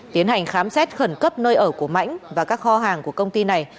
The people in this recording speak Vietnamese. tiến hành khám xét khẩn cấp nơi ở của mãnh và các kho hàng của công ty này